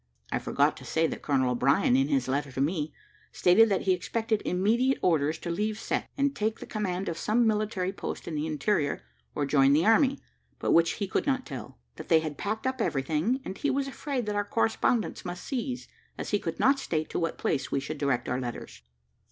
I forgot to say that Colonel O'Brien, in his letter to me, stated that he expected immediate orders to leave Cette, and take the command of some military post in the interior, or join the army, but which he could not tell; that they had packed up everything, and he was afraid that our correspondence must cease, as he could not state to what place we should direct our letters.